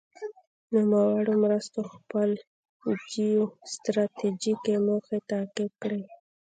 نوموړو مرستو خپل جیو ستراتیجیکې موخې تعقیب کړې.